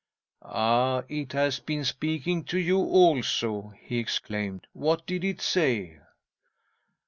"Ah! It has been speaking to you also!" he exclaimed. "What did it say?"